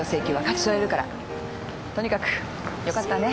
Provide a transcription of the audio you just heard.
とにかくよかったわね。